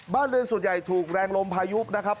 บ้านเรือนส่วนใหญ่ถูกแรงลมพายุนะครับ